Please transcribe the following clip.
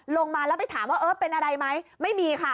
ลงมาแล้วไปถามว่าเออเป็นอะไรไหมไม่มีค่ะ